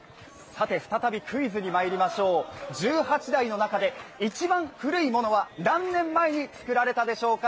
再びクイズにまいりましょう、１８台の中で一番古いものは何年前に作られたでしょうか。